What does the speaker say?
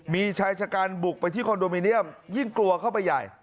มีชายชะกันบุกไปที่คอนโดมิเนียมยิ่งกลัวเข้าไปใหญ่